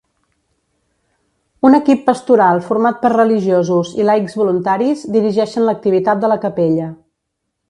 Un equip pastoral format per religiosos i laics voluntaris dirigeixen l'activitat de la capella.